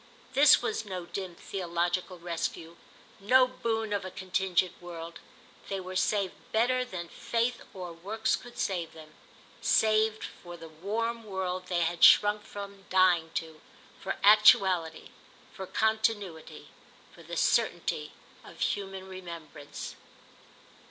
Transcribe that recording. This was no dim theological rescue, no boon of a contingent world; they were saved better than faith or works could save them, saved for the warm world they had shrunk_ _from dying to, for actuality, for continuity, for the certainty of human remembrance.